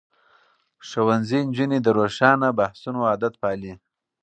ښوونځی نجونې د روښانه بحثونو عادت پالي.